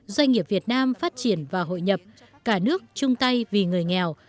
doanh nghiệp việt nam phát triển và hội nhập cả nước chung tay vì người nghèo